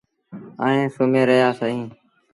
ائيٚݩ سُمهي رهيآ سيٚݩ۔